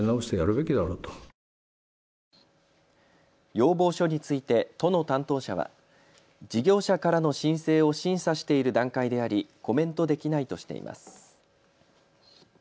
要望書について都の担当者は事業者からの申請を審査している段階でありコメントできないとしています。